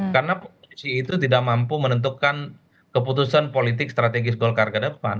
karena itu tidak mampu menentukan keputusan politik strategis golkar ke depan